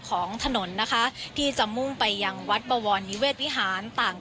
ของถนนนะคะที่จะมุ่งไปยังวัดบวรนิเวศวิหารต่าง